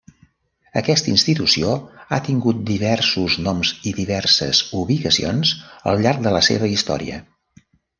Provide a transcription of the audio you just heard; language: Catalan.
Aquesta institució ha tingut diversos noms i diverses ubicacions al llarg de la seva història.